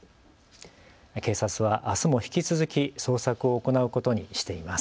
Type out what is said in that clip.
警察はあすも引き続き捜索を行うことにしています。